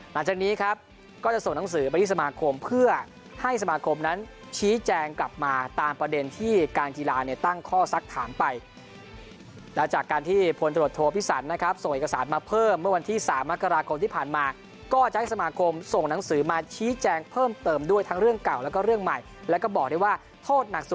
หลังจากนี้ครับก็จะส่งหนังสือไปที่สมาคมเพื่อให้สมาคมนั้นชี้แจงกลับมาตามประเด็นที่การกีฬาเนี่ยตั้งข้อสักถามไปแล้วจากการที่พลตรวจโทพิสันนะครับส่งเอกสารมาเพิ่มเมื่อวันที่๓มกราคมที่ผ่านมาก็จะให้สมาคมส่งหนังสือมาชี้แจงเพิ่มเติมด้วยทั้งเรื่องเก่าแล้วก็เรื่องใหม่แล้วก็บอกได้ว่าโทษหนักส